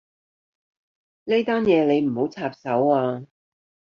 呢單嘢你唔好插手啊